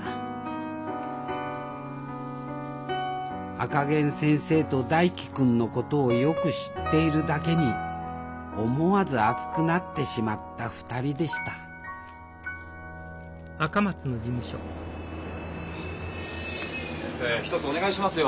赤ゲン先生と大樹君のことをよく知っているだけに思わず熱くなってしまった２人でした先生ひとつお願いしますよ。